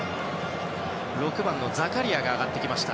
６番、ザカリアが上がってきました。